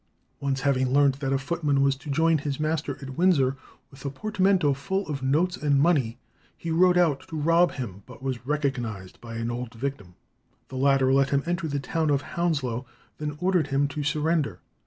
Once having learnt that a footman was to join his master at Windsor with a portmanteau full of notes and money, he rode out to rob him, but was recognized by an old victim. The latter let him enter the town of Hounslow, then ordered him to surrender.